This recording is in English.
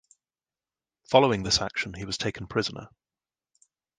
Following this action he was taken prisoner.